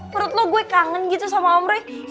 menurut lu gue kangen gitu sama om roy